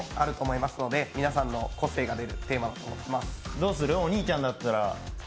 どうする？